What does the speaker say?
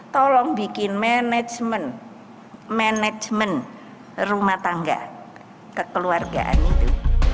tolong bikin manajemen manajemen rumah tangga kekeluargaan itu